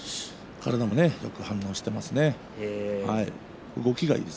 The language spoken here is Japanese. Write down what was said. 体もよく反応しています。